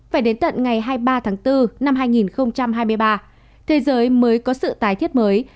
phải đến tận ngày hai mươi ba tháng bốn năm hai nghìn hai mươi ba thế giới mới có sự tái thiết mới